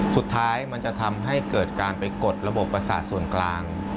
สุดท้ายมันจะทำให้เกิดการไปกดระบบประสาทส่วนกลาง